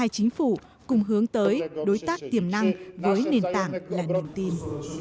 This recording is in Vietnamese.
chính phủ cùng hướng tới đối tác tiềm năng với nền tảng là nền tin